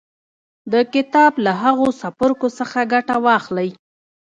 د کتاب له هغو څپرکو څخه ګټه واخلئ